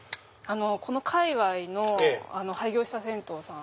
この界わいの廃業した銭湯さん。